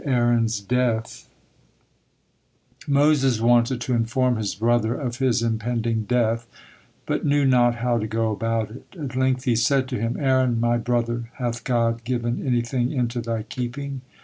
AARON'S DEATH Moses wanted to inform his brother of his impending death, but knew not how to go about it. At length he said to him: "Aaron, my brother, hath God given anything into thy keeping?"